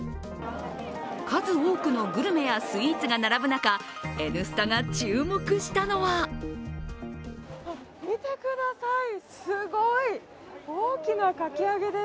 数多くのグルメやスイーツが並ぶ中「Ｎスタ」が注目したのは見てください、すごい！大きなかき揚げです。